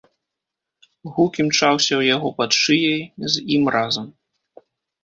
Гук імчаўся ў яго пад шыяй з ім разам.